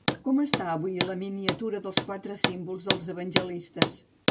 Com està avui la miniatura dels quatre símbols dels evangelistes?